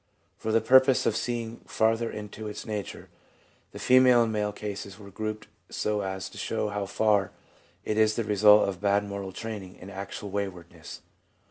For the purpose of seeing farther into its nature, the female and male cases were grouped so as to show how far it is the result of bad moral training and actual waywardness.